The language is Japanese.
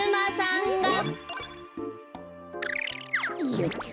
よっと。